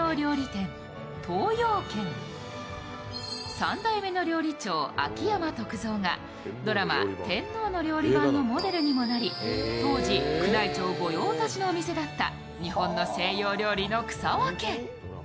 ３代目の料理長、秋山徳蔵がドラマ「天皇の料理番」のモデルにもなり、当時、宮内庁御用達のお店だった日本の西洋料理の草分け。